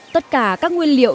tất cả các nguyên liệu